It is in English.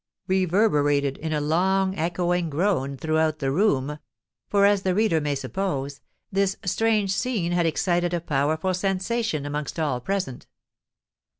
reverberated in a long echoing groan throughout the room; for, as the reader may suppose, this strange scene had excited a powerful sensation amongst all present.